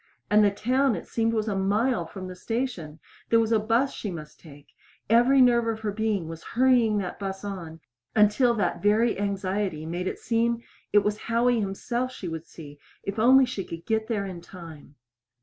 And the town, it seemed, was a mile from the station! There was a bus she must take. Every nerve of her being was hurrying that bus on until that very anxiety made it seem it was Howie himself she would see if only she could get there in time.